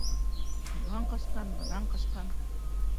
Унан ҡасҡан, бынан ҡасҡан